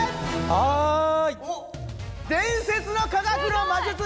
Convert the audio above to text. はい。